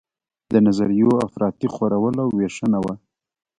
د نظریو افراطي خورول او ویشنه وه.